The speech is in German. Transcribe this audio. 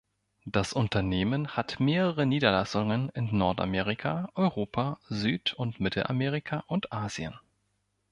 Das Unternehmen hat mehrere Niederlassungen in Nordamerika, Europa, Süd und Mittelamerika und Asien.